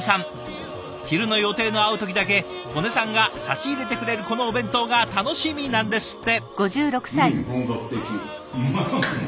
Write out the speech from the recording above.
昼の予定の合う時だけ刀祢さんが差し入れてくれるこのお弁当が楽しみなんですって。